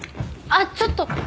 あっちょっと。